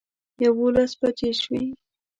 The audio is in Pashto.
یوولس بجې شوې.